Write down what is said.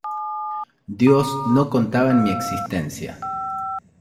Dios no contaba en mi existencia.